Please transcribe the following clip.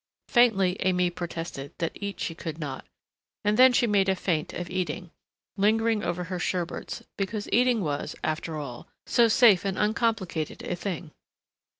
Faintly Aimée protested that eat she could not, and then she made a feint of eating, lingering over her sherbets, because eating was, after all, so safe and uncomplicated a thing.